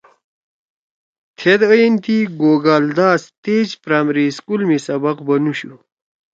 تھید اَیَن تی گوگال داس تیج پرائمری اسکول می سبق بنُوشُو